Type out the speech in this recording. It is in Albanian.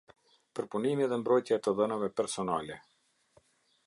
Përpunimi dhe mbrojtja e të dhënave personale.